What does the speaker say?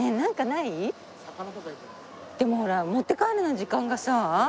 でもほら持って帰るのに時間がさ。